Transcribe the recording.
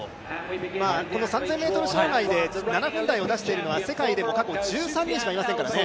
この３０００ｍ障害で７分台を出しているのは世界でも過去１３人しかいませんからね。